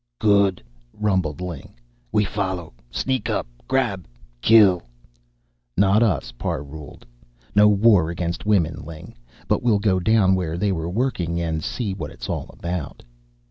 "Good," rumbled Ling. "We follow. Sneak up. Grab. Kill." "Not us," Parr ruled. "No war against women, Ling. But we'll go down where they were working, and see what it's all about."